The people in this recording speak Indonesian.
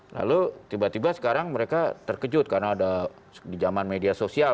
lalu tiba tiba sekarang mereka terkejut karena ada di zaman media sosial